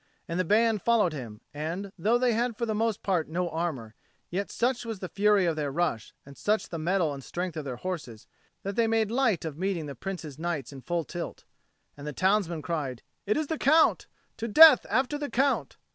And the band followed him, and, though they had for the most part no armour, yet such was the fury of their rush, and such the mettle and strength of their horses, that they made light of meeting the Prince's knights in full tilt. And the townsmen cried, "It is the Count! To death after the Count!"